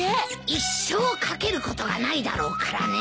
一生かけることがないだろうからね。